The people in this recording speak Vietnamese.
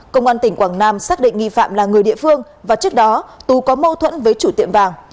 công an tỉnh quảng nam xác định nghi phạm là người địa phương và trước đó tú có mâu thuẫn với chủ tiệm vàng